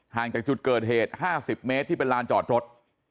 ห่างจากจุดเกิดเหตุห้าสิบเมตรที่เป็นร้านจอดรถ